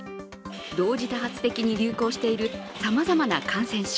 同時多発的に流行しているさまざまな感染症。